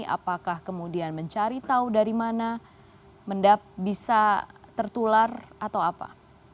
apakah kemudian mencari tahu dari mana mendap bisa tertular atau apa